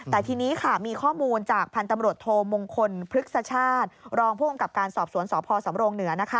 แต่ทีนี้ค่ะมีข้อมูลจากพันธ์ตำรวจโทมงคลพฤกษชาติรองผู้กำกับการสอบสวนสพสำรงเหนือ